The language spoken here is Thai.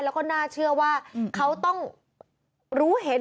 แล้วก็น่าเชื่อว่าเขาต้องรู้เห็น